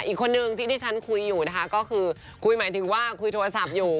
อีกคนนึงที่ที่ฉันคุยอยู่นะคะก็คือคุยหมายถึงว่าคุยโทรศัพท์อยู่